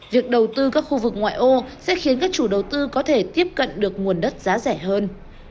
việc đầu tư các khu vực ngoại ô sẽ khiến các chủ đầu tư có thể tiếp cận được nguồn đất giá rẻ hơn